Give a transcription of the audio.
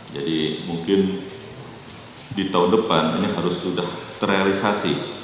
jadi mungkin di tahun depan ini harus sudah terrealisasi